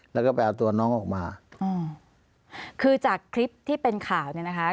แล้วก็ไปเอาตัวน้องออกมาอืมคือจากคลิปที่เป็นข่าวเนี่ยนะคะ